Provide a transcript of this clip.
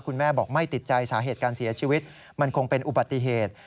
คุณแม่บอกไม่ติดใจสาเหตุการเสียชีวิตมันคงเป็นอุบัติเหตุ